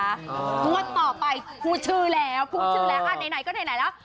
งวดต่อไปพูดชื่อแล้วพูดชื่อแล้วอ่ะไหนก็ไหนแล้ว